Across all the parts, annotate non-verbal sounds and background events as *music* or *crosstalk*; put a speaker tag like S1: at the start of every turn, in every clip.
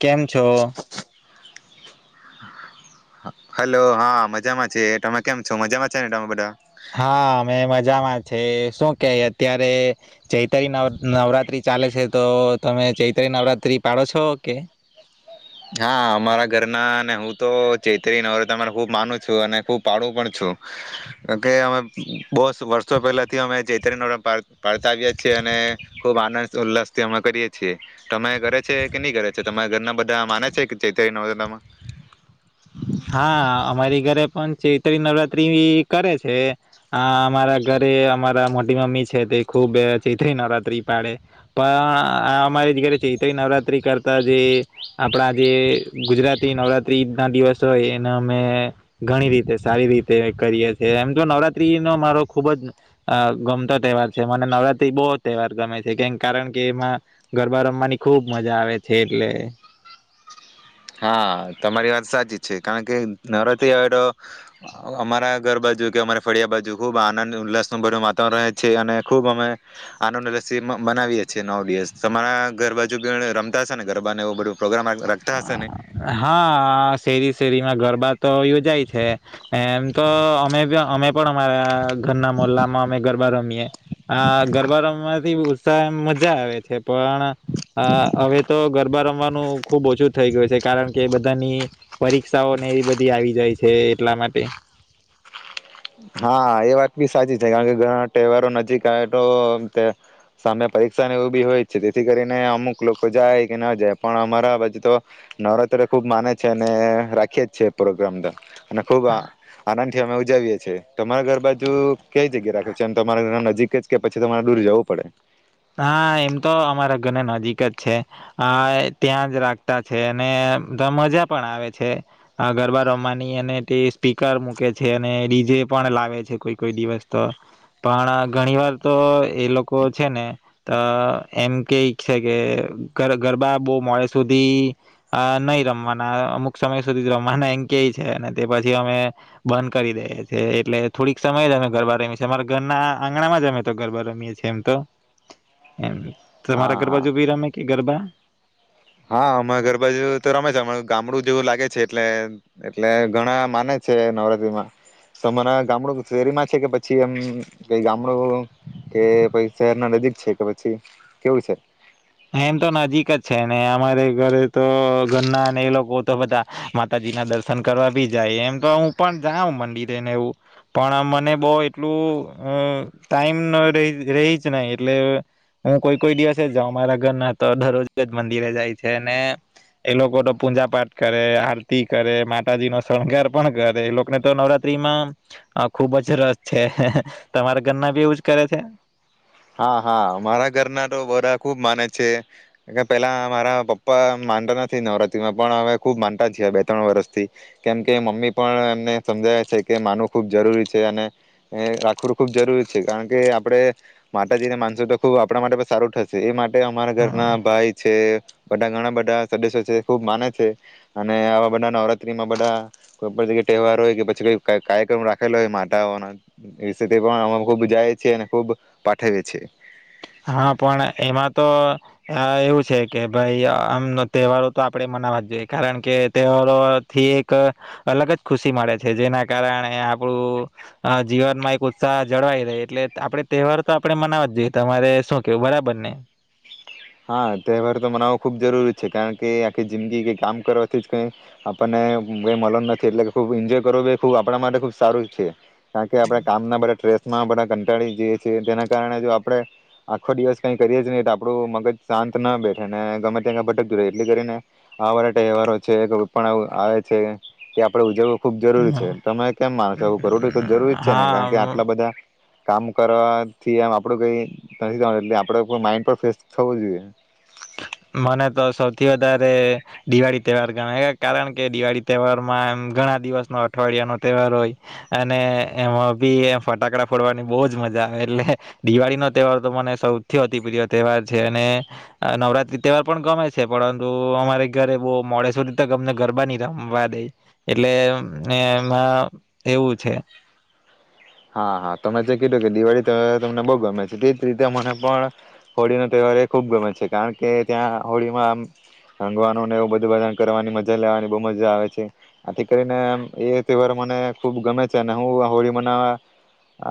S1: કેમ છો
S2: હલો હા મજામાં છે તમે કેમ છો મજામાં છે ને તમે બધા
S1: હા મેં જામાં છે શું કે અત્યારે ચૈત્રી નવ નવરાત્રી ચાલે છે તો તમે ચૈત્રી નવરાત્રી પાડો છો કે
S2: હા અમારા ઘરના અને હું તો ચૈત્રી નવરત અરા ખૂબ માનું છું અને ખુબ પાડું પણ છું કે અમે બહ વર્ષો પહેલાથી અમે *unintelligible* પાડતા આવએ છીએ અને ખુબ આનંદ ઉલ્લાસ થી અમે કરીએ છીએ તમે કરે છે કે નહી કરે છે તમારા ઘરના બધા માને છે જ નમાં
S1: હા અમારી ઘરે પણ ચૈત્રી નવરાત્રી કરે છે આ અમારા ઘરે અમારા મોટી મમ્મી છે તે ખુબ ચૈત્રી નવરાત્રી પાડે પણ અમારી ઘરે ચૈત્રી નવરાત્રી કરતા જે આપણા જે ગુજરાતી નવરાત્રી ઈદ ના દિવસ તોય એને અમે ઘણી રીતે સારી રીતે કરીએ છેએ એમ તો નવરાત્રી નો મારો ખુબ જ ગમતો તહેવાર છે મને નવરાત્રી બહુ તહેવાર ગમે છે કેમ કારણ કે એમાં ગરબા રમવાની ખુબ મજા આવે છે એટલે
S2: હા તમારી વાત સાચી જ છે કારણ કે નવરાત્રી આવે તો અમારા ઘરબાજુ કે અમારી ફળિયા બાજુ ખુબ આનંદ ઉલ્લાસ ન બધું વાતાવરણ રહે છે અને ખુબ અમે આનંદ ઉલ્સી મનાવીએીએ નવ દિવસ તમારા ઘરબાજુ બ રમતાશે ને ગરબાને એવું બધું પ્રોગ્રામ રાખતા હશે ને
S1: હા શેરી શેરીમાં ગરબા તો યોજાય છે એમ તો અમે અમે પણ અમારા ઘરના મોલ્લામાં અમે ગરબા રમીએે આ ગરબા રમવાથી એમ મજા આવે છે પણ હવે તો ગરબા રમવાનું શું થઈ ગયું છે કારણ કે બધાની પરીક્ષાઓને એ બધી આવી જાય છે એટલા માટે
S2: હા એ વાત બી સાચી છે કારણ કે ઘણા તહેવારો નજીક આવે તો સામે પરીક્ષાને એવું બી હોય જ છે તેથી કરીને અમુક લોકો જાય કે ના જાય પણ અમારા બાજુ તો નવરાત્ર ખુબ માને છે અને રાખી જ છે પ્રોગ્રામ તો અને ખૂબ અને અમે ઉજાવીએ છીએ તમારા ઘર બાજુ કઈ જગ્યા રાખે છે એમ તમારા ઘર નજીક જ કે પછી તમારે દૂર જવું પડે
S1: હા એમ તો અમારા ઘરને નજીક જ છે આ ત્યાં જ રાખતા છે અને મજા પણ આવે છે ગરબા રમવાની અને તે સ્પીકર મૂકે છે અને ડીજે પણ લાવે છે કોઈ કોઈ દિવસ તો પણ ઘણી વાર તો એ લોકો છે ને કઈ છે કે ગરબા બહુ મોડે સુધી નહી રમવાના અમુક સમય સુધી જ રમવાના એમ કેય છે અને તે પછી અમે બંધ કરી દઈએ છીએ એટલે થોડીક સમય જ અમે ગરબા રમીએ છીએ અમારા ઘરના આંગણામાં જ અમે તો ગરબા રમીએ છીએ એમ તો એમ તમારા
S2: હા હા
S1: ગરબા જો બીરામ કે ગરબા
S2: હા અમાં ગરબાજુ તો રમે છે ગામડું જેવું લાગે છે એટલે એટલે ઘણા માને છે નવરાત્રીમાં તોમારા ગામડું શેરીમાં છે કે પછી એમ કઈ ગામડું કે પ શહેર ના નજીક છે કે પછી કેવું છે
S1: એમ તો નજીક જ છે ને અમારે ઘરે તો ઘરના ને એ લોકો તો બધા માતાજી ના દર્શન કરવા બી જાય એમ તો હું પણ જાઉ મંદિરેને એવું પણ મને બહ એટલું ટાઈમ ર રહી જ નહી એટલે હું કોઈ કોઈ દિવસે જ જાઉં મારા. ગન્ના તો દરરોજ જ મંદિરે જાય છે ને એ લોકો તો પૂજા પાઠ કરે આરતી કરે માતાજી નો શણગાર પણ કરે એ લોકોને તો નવરાત્રી માં ખુબ જ રસ છે તમારા ગન્ના બી એવુંજ કરે છે.
S2: હા હા મારા ઘરના તો બોરા ખુબ માને છે પેલા મારા પપ્પા માનતા નથી નવરાત્રીમાં પણ હવે ખુબ માનતા છીએ બે ત્રણ વર્ષથી કેમકે મમ્મી પણ એમને સમજાવે છે કે માનવું ખૂબ જરૂરી છે અને રાખવું ખૂબ જરૂરી છે કારણ કે આપડ. માતા જને માનસો તો ખુબ આપણા માટે પણ સારું થશે એ માટે. અમારા
S1: હા
S2: ઘરના ભાઈ છે. બધા ઘણા બધા સદસ્યો છે ખુબ માને છે અને આવા બધા નવરાત્રીમાં બધા કોઈગ્યા તહેવાર હોય કે પછી કો કાર્યક્રમ રાખેલો હોય માતા પણ અ ખૂબ જાય છે અને ખબ. ઠવે છે.
S1: હા પણ એમાં તો એવું છે કે ભાઈ આમ તહેવારો તો આપણેે મનાવા જ જોઈએ કારણ કે તહેવારોથી એક અલગ જ ખુશી મળે છે જેના કારણે આપણું જીવનમાં એક ઉત્સાહ જળવાઈ રહી એટલે આપણે તહેવાર તો આપણે મનાવવા જ જોઈએ. તમારે શું કેવું બરાબર ને.
S2: હા તહેવાર તો મનાવો ખુબ જરૂરી છે કારણ કે આખી જિંદગી કે કામ કરવાથી જ કઈ આપણને કઈ મળ નથી એટલે ખુબ એન્જોય કરવો ખબ આપણા માટે ખુબ સારું છે. કાર કે આપણે કામના બ ટ્રેસ. માં બધા કંટાળી જઈ છીએ તેના કારણે જો આપડણે આખો દિવસ કઈ કરીએ નને તો આપડું મગજ. શાંત ના બેઠે ને ગમે ત્યાં ભટકતું રહે એટલી કરીને આવાળા તહેવારો છે પણ આવે છે કે આપડે ઉજવું. ખુબ જરૂરી છે તમે કેમ માનો છો આવું કરોડું તો જરૂરી જ છે ને કારણ કે
S1: હા
S2: આટલા બધા. કામ કરવાથી આમ આપડું કઈ એટ આપડ માઇડ પણ ફેશ. સબ જોએ.
S1: મને તો સૌથી વધારે દિવાળી તહેવાર ગમે કારણ કે દિવાળી તહેવારમાં એમ ઘણા દિવસ ન અઠવાડિયા નો તહેવાર હોય અને એમાં બી ફટાકડા ફોડવાની બહજ મજા આવે એટલે દિવાળી નો તહેવાર તો મને સૌથી અતિ પ્ર્રિય તહેવાર છે અને નવરાત્રી. તહેવાર પણ ગમે છે પરંતુ અમારે ઘરે બહ મોડે સુવર ત અમને ગરબા નહી રમવા દે એટલે એમાં એવું છે.
S2: હા હા તમે જે કીધું કે દિવાળી તહેવાર તમને બહુ ગમે છે તે જ રીતે મને પણ હોળીનોો તહેવાર એ ખૂબ ગમે છે કારણ કે ત્યાં હોળીમાં આમ રંગવાનુંને એવું બધું બ કરવાની મજા લેવાની બહુ મજા આવે છે આથી કરીને આમ એ તહેવાર મને ખૂબ ગમે છે અને હું હોળી મનાવા.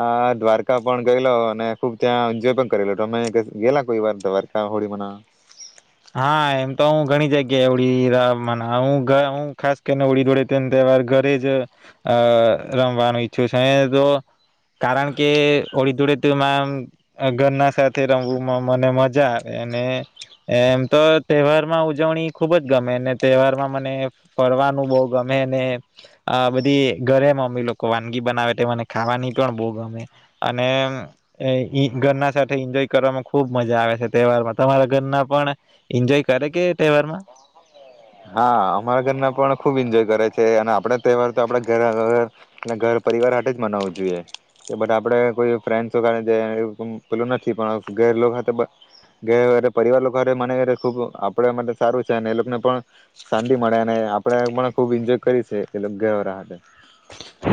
S2: આ દ્વારકા પણ ગયેલો અને ખુબ ત્યાં એન્જોય પણ કરેલો તમે ગેલા કોઈ વાર દ્વારકા હોળીમાંના.
S1: હા એમ તો હ ઘણી જગ્યાએ ઓવડી હું હું ખાસ કરીને હોળી દોડે તે તહેવાર ઘરે જ રમવાનું ઈચ્છું છું તો કારણ કે ઓળી દોડે તેમ ઘરના સાથે રમવું મને મજા આવે અને. એમ તો તહેવારમાં ઉજવણી ખુબ જ ગમે અને તહેવારમાં મને ફરવાનું બહુ ગમે બધી ઘરે મમ્મી લોકો વાનગી બનાવે તે મને ખાવાની પણ બહુ ગમે અને ઘરના સાથે એન્જોય કરવાવામાં ખુબ મજા આવે છે તહેવારમાં તમારા ઘરના. પણ એન્જોય કરે કે તહેવારમાં.
S2: હા અમારા ઘરના પણ ખૂબ એન્જોય કરે છે અને આપણે તહેવાર તો આપણા ઘર ઘર પરિવાર હ જ મનાવવું જોઈએ કે બટ આપડે કોઈ ફ્રેન્ડ્સ કાર જાય પેલું નથી પણ ઘર પરિવાર મને ખૂબ આપણે માટે સારું છે અને એ લોકોને પણ. શાંતિ મળે અને આપણેે પણ ખુબ એન્જોય કરી છે એ ઘર રા.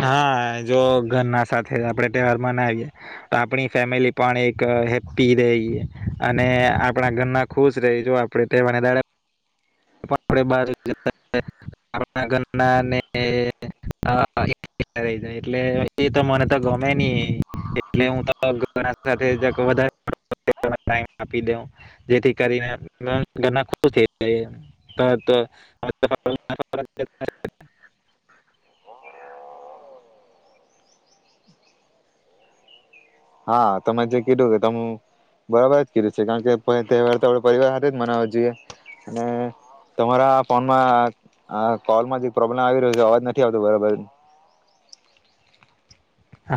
S1: હા જો ઘરના સાથે આપે તહેવાર મનાવીએ તો આપણી ફેમિલી પણ એક હેપ્પી રહી અને આપણા ઘરના ખુશ રહી આપણે તવાર. ઘરનાાય એટ એ મને તો ગમે ન એટ હું તો જે કરીને થાય. હ તો.
S2: હા તમે જે કીધું કે તમે બરાબર જ કીધું છે કારણ કે ત વાર તો આપ પરિવાર સાથે જ મનાવવા જોઈએ અને તમારા ફોનમાં કોલમાં જે પ્રોબ્લેમ આવી રહ્યો છે અવાજ નથી આવતો બરાબર.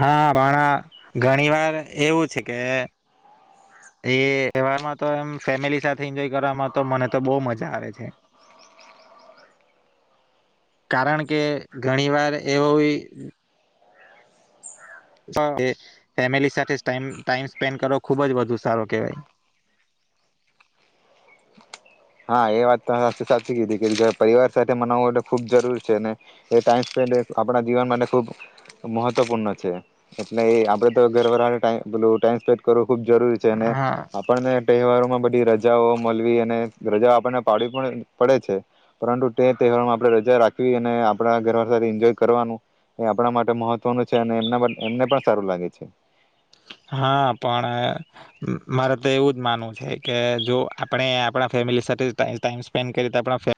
S1: હા પણ ઘણી વાર એવું છે કે એ તહેવારમાં તો એમ ફેમિલી સાથે એન્જોય કરવાવામાં તો મને તો બહ મજા આવે છે કારણ કે ઘણી વાર એવું. ફેમિલી સાથે ટાઈમ સ્પેન્ડ કરો ખુબ જ વધુ સારો કેવાય.
S2: હા એ વાત તો સાચી સાચી કીધી કે પરિવાર સાથે મનાવવું ખૂબ જરૂર છે ને એ ટાઈમ સ્પેન્ડ આપણા જીવન માટે ખૂબ મહત્વપૂર્ણ છે એટલે એ આપડે તો ઘરર ટલું ટાઈમ સ્પેન્ડ કરવું. ખુબ જરૂરી છે અને
S1: હા
S2: આપણને. તહેવારોમાં બધી રજાઓ મળવી અને રજા આપણને પાડવી પણ પડે છે પરંતુ તે તહેવારમાં આપણે રજા રાખવી અને આપણા ઘર સાથે એન્જોય કરવાનું એ આપણા માટે મહત્વનું છે અને એ એમને પણ સારું લાગે છે
S1: હા પણ મારે તો એવું જ માનવું છે કે જો આપણે આપણા ફેમિલી સાથે ટાઈમ સ્પેન્ડ કરીએ તો